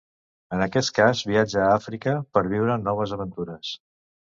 En aquest cas viatja a Àfrica per viure noves aventures.